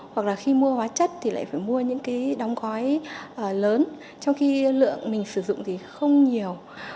hoặc là khi mua hóa chất thì lại phải mua những cái đóng gói lớn trong khi lượng mình sử dụng thì không nhiều